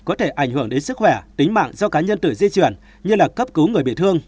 có thể ảnh hưởng đến sức khỏe tính mạng do cá nhân tự di chuyển như là cấp cứu người bị thương